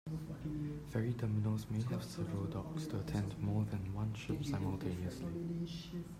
Ferry terminals may have several docks to attend more than one ship simultaneosly.